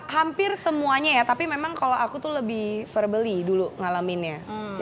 hampir semuanya ya tapi memang kalau aku tuh lebih verbally dulu ngalaminnya